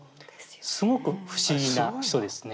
すごく不思議な人ですね。